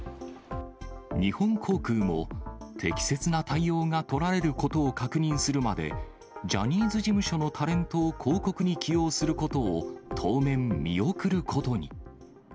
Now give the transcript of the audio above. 日本航空も、適切な対応が取られることを確認するまで、ジャニーズ事務所のタレントを広告に起用することを当面見送ることに。